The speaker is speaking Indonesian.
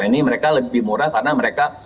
ini mereka lebih murah karena mereka